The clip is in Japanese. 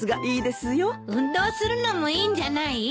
運動するのもいいんじゃない？